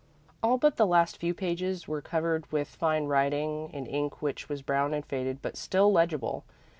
All but the last few pages in the book were covered with fine writing, in ink which was brown and faded, but still legible.